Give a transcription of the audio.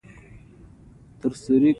یوه ورځ بهلول د هارون الرشید دربار ته لاړ.